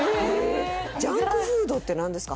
ジャンクフードって何ですか？